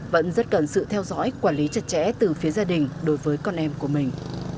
vẫn rất cần sự theo dõi quản lý chặt chẽ từ phía gia đình đối với con em của mình